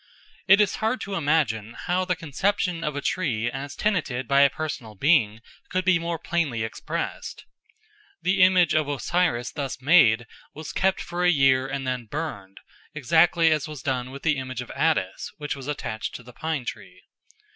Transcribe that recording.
It is hard to imagine how the conception of a tree as tenanted by a personal being could be more plainly expressed. The image of Osiris thus made was kept for a year and then burned, exactly as was done with the image of Attis which was attached to the pine tree.